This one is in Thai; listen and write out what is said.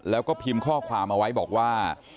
แล้วก็พิมพ์ข้อความเอาไว้บอกว่า